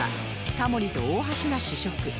タモリと大橋が試食